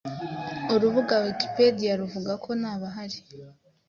Urubuga Wikipedia ruvuga ko ntabahari